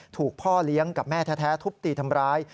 ถูกพ่อเลี้ยงกับแม่แท้ทุบตีทำร้าย